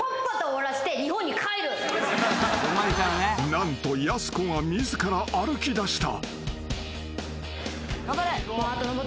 ［何とやす子が自ら歩きだした］